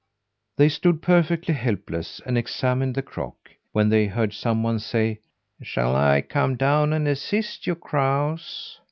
They stood perfectly helpless and examined the crock, when they heard someone say: "Shall I come down and assist you crows?"